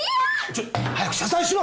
ちょ早く謝罪しろ！